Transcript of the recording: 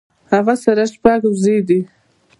هغۀ سره شپږ وزې دي